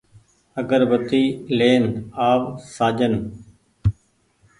آگربتي لين آ و سآجن